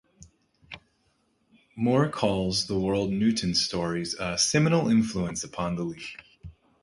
Moore calls the Wold Newton stories "a seminal influence upon the League".